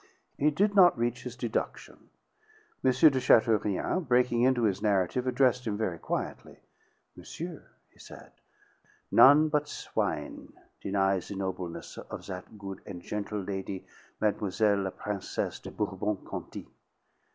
He did not reach his deduction. M. de Chateaurien, breaking into his narrative, addressed him very quietly. "Monsieur," he said, "none but swine deny the nobleness of that good and gentle lady, Mademoiselle la Princesse de Bourbon Conti.